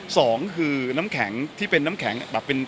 สองคือน้ำแข็งที่เป็นน้ำแข็ง